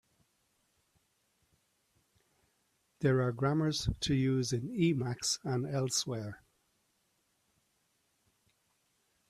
There are grammars to use in Emacs and elsewhere.